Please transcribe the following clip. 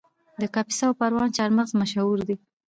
د کاپیسا او پروان چهارمغز مشهور دي